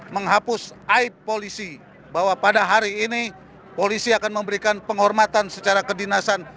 menghapus aib polisi bahwa pada hari ini polisi akan memberikan penghormatan secara kedinasan